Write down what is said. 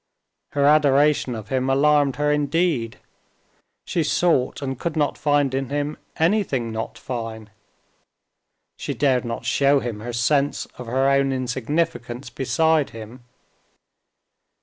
Her adoration of him alarmed her indeed; she sought and could not find in him anything not fine. She dared not show him her sense of her own insignificance beside him.